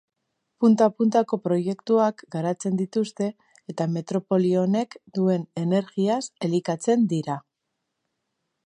Punta-puntako proiektuak garatzen dituzte eta metropoli honek duen energiaz elikatzen dira.